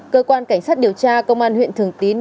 cơ quan cảnh sát điều tra công an huyện thường tín